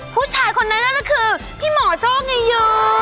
ผู้ชายคนนั้นน่าจะคือพี่หมอโจ้ไงโย